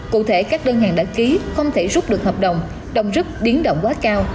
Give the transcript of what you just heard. cụ thể các đơn hàng đã ký không thể rút được hợp đồng đồng rức điến động quá cao